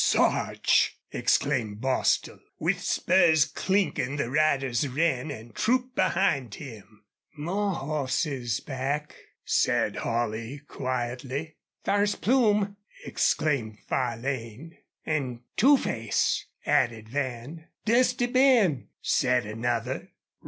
"Sarch!" exclaimed Bostil. With spurs clinking the riders ran and trooped behind him. "More hosses back," said Holley, quietly. "Thar's Plume!" exclaimed Farlane. "An' Two Face!" added Van. "Dusty Ben!" said another.